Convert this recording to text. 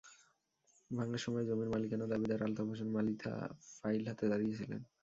ভাঙার সময় জমির মালিকানা দাবিদার আলতাফ হোসেন মালিথা ফাইল হাতে দাঁড়িয়ে ছিলেন।